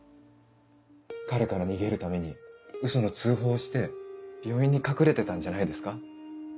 彼から逃げるためにウソの通報をして病院に隠れてたんじゃないですか？